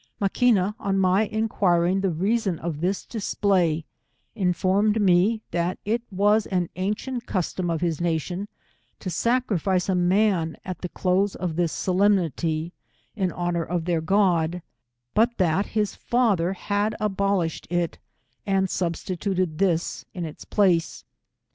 Maquina, on my enquiring the reason of this display, informed me that it was an ancient custom of his nation, to sacrifice a man at the close of this 8olemnity, Mn honour of their God, but that bis father had abolished it, and substituted this in its place.